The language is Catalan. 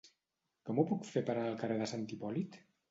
Com ho puc fer per anar al carrer de Sant Hipòlit?